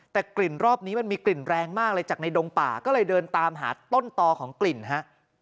แต่กลิ่นรอบนี้มันมีกลิ่นแรงมากเลยจากในดงป่าก็เลยเดินตามหาต้นตอของกลิ่นฮะ